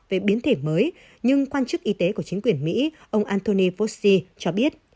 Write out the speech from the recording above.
về biến thể mới nhưng quan chức y tế của chính quyền mỹ ông anthony fauci cho biết